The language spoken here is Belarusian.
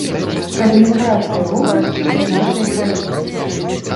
Калінінградскай вобласцю і нашай краінай.